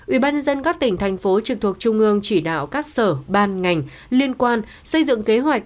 ủy ban nhân dân các tỉnh thành phố trực thuộc trung ương chỉ đạo các sở ban ngành liên quan xây dựng kế hoạch